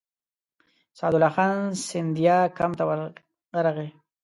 سعدالله خان سیندیا کمپ ته ورغی.